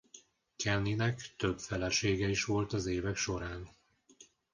Kenny-nek több felesége is volt az évek során.